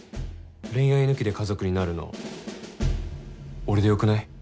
恋愛抜きで家族になるの俺でよくない？